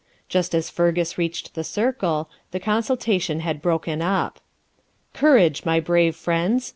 Just as Fergus reached the circle, the consultation had broken up. 'Courage, my brave friends!'